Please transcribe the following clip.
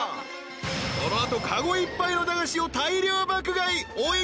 ［この後籠いっぱいの駄菓子を大量爆買い。